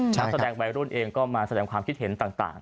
ทางแสดงไบรนด์เองก็มาแสดงความคิดเห็นต่าง